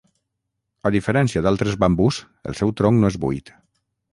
A diferència d'altres bambús, el seu tronc no és buit.